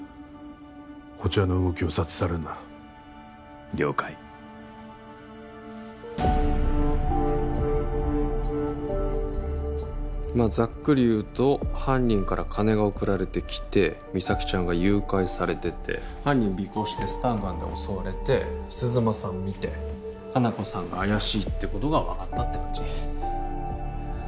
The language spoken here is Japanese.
こちらの動きを察知されるな了解まっざっくり言うと犯人から金が送られてきて実咲ちゃんが誘拐されてて犯人尾行してスタンガンで襲われて鈴間さん見て香菜子さんが怪しいってことが分かったって感じ？